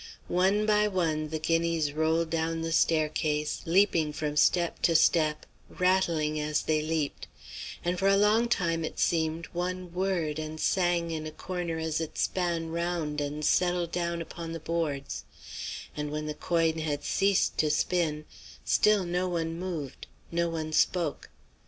One by one the guineas rolled down the staircase, leaping from step to step, rattling as they leaped; and for a long time it seemed, one whirred and sang in a corner as it span round and settled down upon the boards; and when the coin had ceased to spin, still no one moved, no one spoke.